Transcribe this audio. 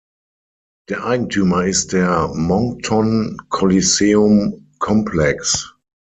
Der Eigentümer ist der "Moncton Coliseum Complex".